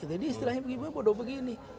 jadi istilahnya ibunya bodoh begini